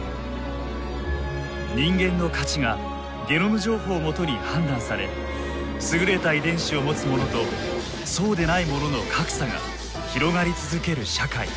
人間の価値がゲノム情報をもとに判断され優れた遺伝子を持つ者とそうでない者の格差が広がり続ける社会。